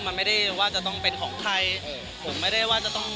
มันไม่ได้ว่าจะต้องเป็นของใครผมไม่ได้ว่าจะต้อง